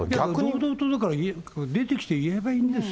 堂々と出てきて言えばいいんですよ。